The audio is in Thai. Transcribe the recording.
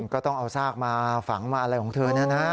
ก็ต้องเอาซากมาฝังมาอะไรของเธอนะนะ